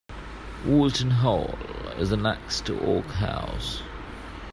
Woolton Hall is next to Oak House.